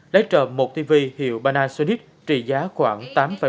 lấy trộm một tv hiệu panasonic trị giá khoảng tám bảy triệu đồng